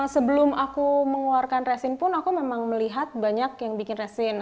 sebelum aku mengeluarkan resin pun aku memang melihat banyak yang bikin resin